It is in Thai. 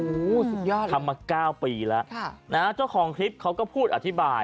โอ้โหสุดยอดทำมา๙ปีแล้วเจ้าของคลิปเขาก็พูดอธิบาย